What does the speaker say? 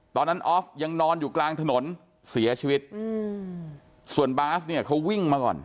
ออฟยังนอนอยู่กลางถนนเสียชีวิตอืมส่วนบาสเนี่ยเขาวิ่งมาก่อน